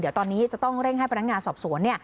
เดี๋ยวตอนนี้จะต้องเร่งให้พนักงานสอบสวน